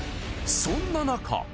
そんななか。